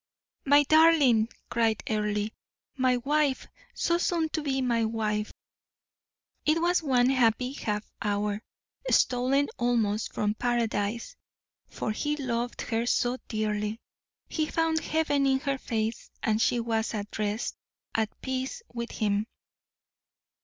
"My darling!" cried Earle. "My wife, so soon to be my wife." It was one happy half hour, stolen almost from paradise, for he loved her so dearly; he found heaven in her face; and she was at rest, at peace with him.